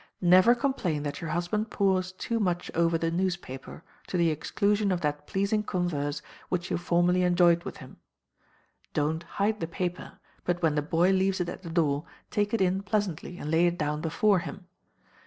Never complain that your husband pores too much over the newspaper, to the exclusion of that pleasing converse which you formerly enjoyed with him. Don't hide the paper, but when the boy leaves it at the door, take it in pleasantly, and lay it down before him.